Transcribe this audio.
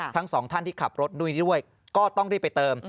ทั้งสองท่านที่ขับรถนุ้ยด้วยก็ต้องรีบไปเติม